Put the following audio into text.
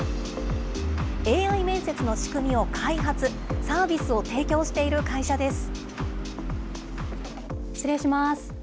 ＡＩ面接の仕組みを開発、サービスを提供している会社です。